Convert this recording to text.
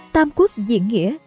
tam quốc diện nghĩa